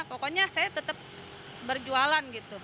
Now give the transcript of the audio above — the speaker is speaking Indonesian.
pokoknya saya tetap berjualan gitu